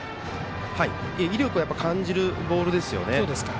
威力を感じるボールですね。